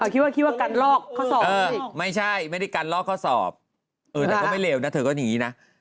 คิดว่าคิดว่ากันลอกข้อสอบไม่ใช่ไม่ได้กันลอกข้อสอบแต่ก็ไม่เลวนะเธอก็อย่างนี้นะ